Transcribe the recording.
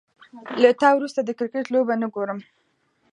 له تا وروسته، د کرکټ لوبه نه ګورم